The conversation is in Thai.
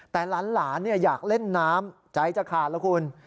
แต่หลานอยากเล่นน้ำใจจะขาดแล้วคุณ